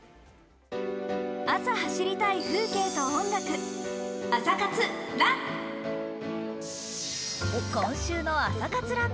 朝走りたい風景と音楽、「朝活ＲＵＮ」。